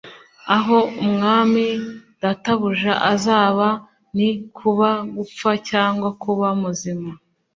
aho umwami databuja azaba, ni kuba gupfa cyangwa kuba muzima